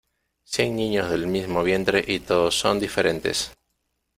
Cien niños del mismo vientre y todos son diferentes.